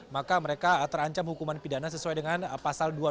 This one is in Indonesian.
maka mereka terancam hukuman pidana sesuai dengan pasal